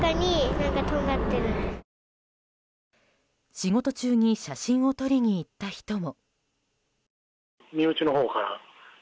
仕事中に写真を撮りに行った人も。